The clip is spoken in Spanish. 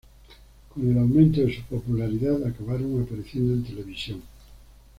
Con el aumento de su popularidad acabaron apareciendo en televisión.